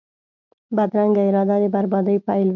بدرنګه اراده د بربادۍ پیل وي